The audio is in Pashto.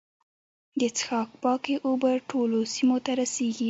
د څښاک پاکې اوبه ټولو سیمو ته رسیږي.